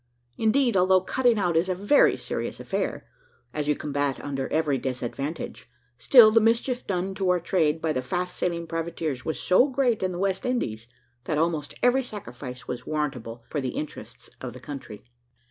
Indeed, although cutting out is a very serious affair, as you combat under every disadvantage, still the mischief done to our trade by the fast sailing privateers was so great in the West Indies, that almost every sacrifice was warrantable for the interests of the country.